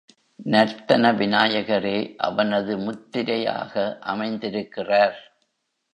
நர்த்தன விநாயகரே அவனது முத்திரையாக அமைந்திருக்கிறார்.